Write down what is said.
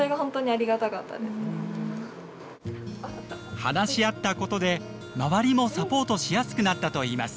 話し合ったことで周りもサポートしやすくなったといいます。